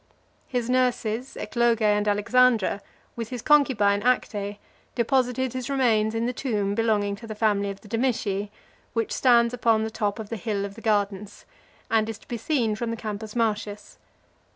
His nurses, Ecloge and Alexandra, with his concubine Acte, deposited his remains in the tomb belonging (379) to the family of the Domitii, which stands upon the top of the Hill of the Gardens , and is to be seen from the Campus Martius.